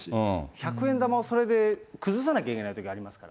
百円玉をそれで崩さなきゃいけないときがありますから。